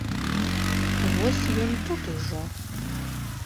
Вось ён тут ужо!